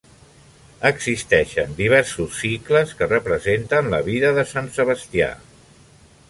Existeixen diversos cicles que representen la vida de Sant Sebastià.